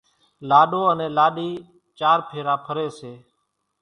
لاڏو انين لاڏِي چار ڦيرا ڦريَ سي۔